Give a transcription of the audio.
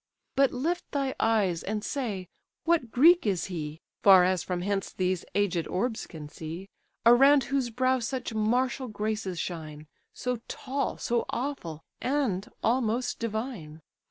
But lift thy eyes, and say, what Greek is he (Far as from hence these aged orbs can see) Around whose brow such martial graces shine, So tall, so awful, and almost divine!